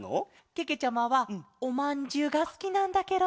けけちゃまはおまんじゅうがすきなんだケロ。